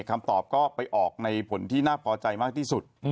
คำตอบก็ไปออกในผลที่น่าพอใจมากที่สุด